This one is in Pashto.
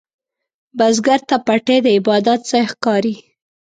بزګر ته پټی د عبادت ځای ښکاري